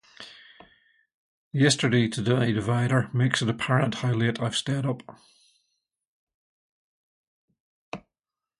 The yesterday-today divider makes it apparent how late I've stayed up.